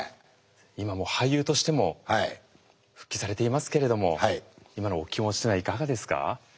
今も俳優としても復帰されていますけれども今のお気持ちというのはいかがですか？